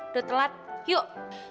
udah telat yuk